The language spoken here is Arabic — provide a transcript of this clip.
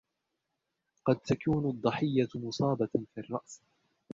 قد تكون الضحية مصابة في الرأس.